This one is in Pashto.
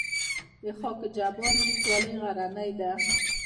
د خاک جبار ولسوالۍ غرنۍ ده